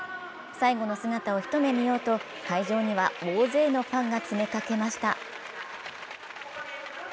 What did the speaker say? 最後の姿をひと目見ようと会場には大勢のファンが詰めかけました。